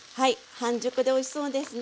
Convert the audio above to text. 半熟でおいしそうですね。